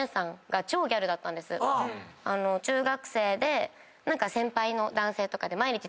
中学生で先輩の男性とか。